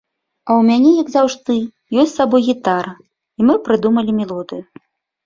А ў мяне як заўжды ёсць з сабой гітара, і мы прыдумалі мелодыю.